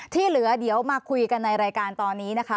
ที่เหลือเดี๋ยวมาคุยกันในรายการตอนนี้นะคะ